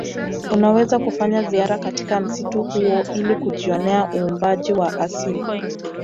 Unaweza kufanya ziara katika msitu huo ili kujionea uumbaji wa asili